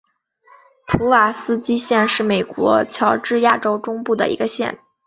普瓦斯基县是美国乔治亚州中部的一个县。